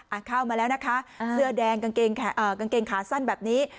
เข้ามาแล้วนะคะเสื้อแดงกางเกงขาสั้นแบบนี้